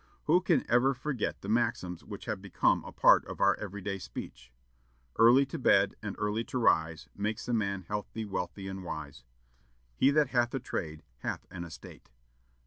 Who can ever forget the maxims which have become a part of our every day speech? "Early to bed and early to rise, makes a man healthy, wealthy, and wise." "He that hath a trade, hath an estate."